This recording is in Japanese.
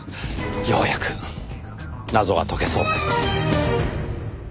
ようやく謎が解けそうです。